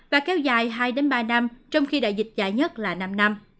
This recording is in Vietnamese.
và kéo dài hai ba năm trong khi đại dịch dài nhất là năm năm